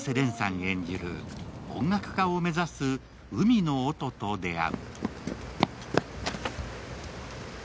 演じる音楽家を目指す海野音と出会う。